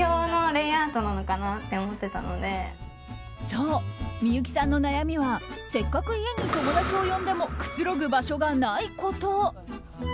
そう、幸さんの悩みはせっかく家に友達を呼んでもくつろぐ場所がないこと。